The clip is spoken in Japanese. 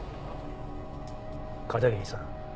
片桐さん。